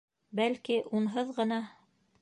Бәлки, унһыҙ ғына...